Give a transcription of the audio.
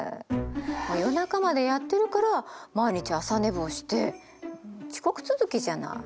夜中までやってるから毎日朝寝坊して遅刻続きじゃない。